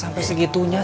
sampai saat pokoknya